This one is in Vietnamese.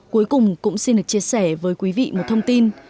cuối cùng cũng xin được chia sẻ với quý vị một thông tin